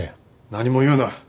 何も言うな。